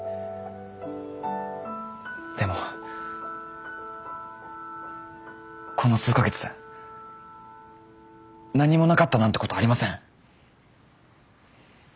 でもこの数か月何もなかったなんてことありません。